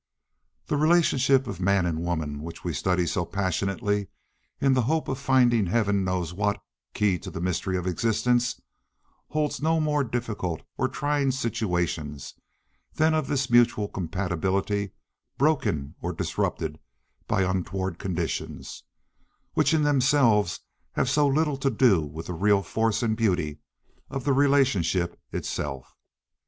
The relationship of man and woman which we study so passionately in the hope of finding heaven knows what key to the mystery of existence holds no more difficult or trying situation than this of mutual compatibility broken or disrupted by untoward conditions which in themselves have so little to do with the real force and beauty of the relationship itself.